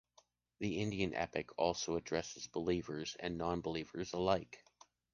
The Indian epic also addresses believers and non-believers alike.